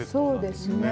そうですね。